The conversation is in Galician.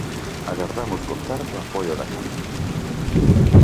Agardamos contar co apoio da Cámara.